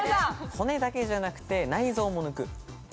骨だけじゃなくて内臓も抜く。